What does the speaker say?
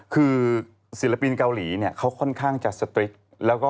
คือศิลปีนเกาหลีเขาค่อนข้างจะสตริก